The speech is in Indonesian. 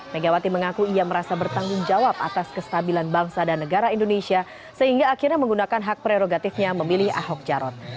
megawati mengaku ia merasa bertanggung jawab atas kestabilan bangsa dan negara indonesia sehingga akhirnya menggunakan hak prerogatifnya memilih ahok jarot